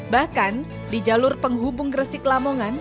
bahkan di jalur penghubung gresik lamongan